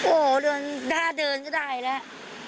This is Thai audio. โอ้ถ้าเดินก็ได้แล้ว